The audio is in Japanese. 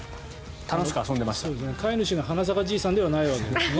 飼い主が花咲かじいさんではないわけですね。